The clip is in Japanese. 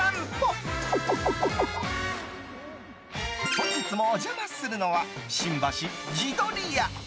本日もお邪魔するのは新橋地鶏屋。